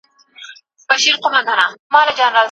د ډاکټرانو ټولنه څه دنده لري؟